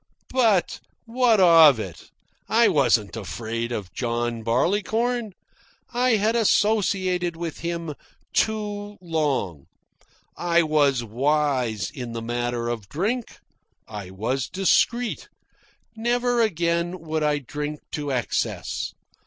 But what of it? I wasn't afraid of John Barleycorn. I had associated with him too long. I was wise in the matter of drink. I was discreet. Never again would I drink to excess.